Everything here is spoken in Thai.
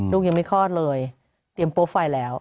ลูกยังไม่คลอดเลยเตรียมโปรไฟล์แล้ว